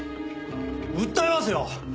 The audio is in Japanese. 訴えますよ！